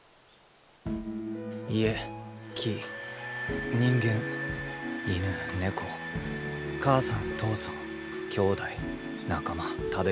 家木人間犬猫母さん父さん兄弟仲間食べ物。